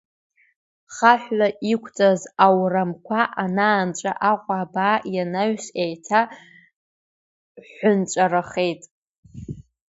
Хаҳәла иқәҵаз аурамқәа анаанҵәа, Аҟәа абаа ианаҩс, еиҭа ҳәынҵәарахеит.